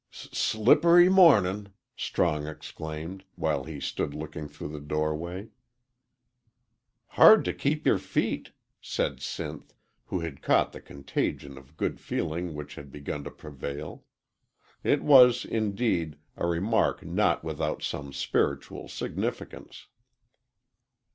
"S slippery mornin'!" Strong exclaimed, while he stood looking through the doorway. "Hard t' keep yer feet," said Sinth, who had caught the contagion of good feeling which had begun to prevail. It was, indeed, a remark not without some spiritual significance.